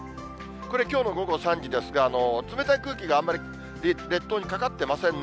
これ、きょうの午後３時ですが、冷たい空気があんまり列島にかかってませんね。